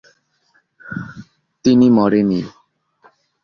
তিনি মরে নি।